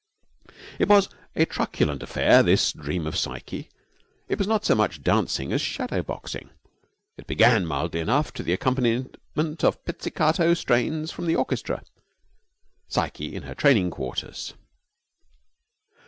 It was a truculent affair, this Dream of Psyche. It was not so much dancing as shadow boxing. It began mildly enough to the accompaniment of pizzicato strains from the orchestra Psyche in her training quarters.